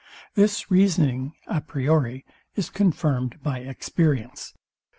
This reasoning a priori is confirmed by experience.